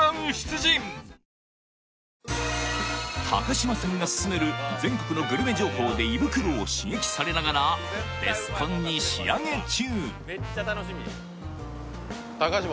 嶋さんがすすめる全国のグルメ情報で胃袋を刺激されながらベスコンに仕上げ中！